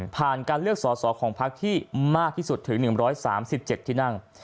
การเลือกสอสอของพักที่มากที่สุดถึง๑๓๗ที่นั่ง